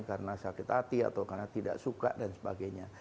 karena sakit hati atau karena tidak suka dan sebagainya